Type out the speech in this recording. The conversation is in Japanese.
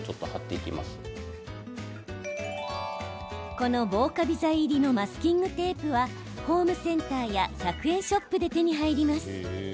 この防カビ剤入りのマスキングテープはホームセンターや１００円ショップで手に入ります。